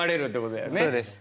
そうです。